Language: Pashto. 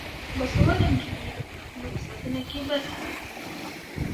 باسواده نجونې د پارکونو په ساتنه کې برخه اخلي.